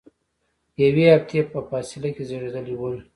یوې هفتې په فاصله کې زیږیدلي ول.